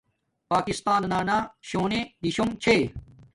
پاکستانانا شونے دیشونگ چھے